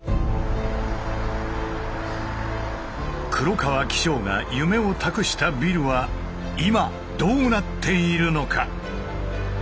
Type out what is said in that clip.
黒川紀章が夢を託したビルは今どうなっているのか。